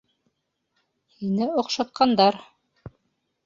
Һине оҡшатҡандар.